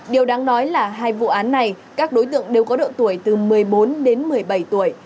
điều đáng nói là hai vụ án này các đối tượng đều có độ tuổi từ một mươi bốn đến một mươi bảy tuổi